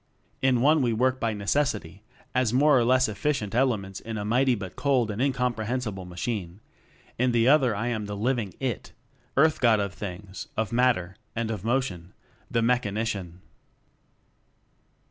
In one we work by necessity as more or less efficient "elements" in a mighty but cold and incomprehensible machine; in the other I am the living IT Earth God of things, of matter, and of motion the Mechanician.